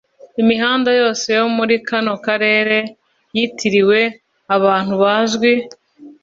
imihanda yose yo muri kano karere yitiriwe abantu bazwi